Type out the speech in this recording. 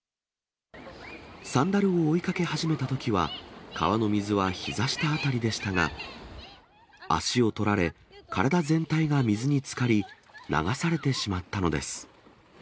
サンダルを追いかけ始めたときは、川の水はひざ下辺りでしたが、足を取られ、体全体が水につかり、流されてしまったのです。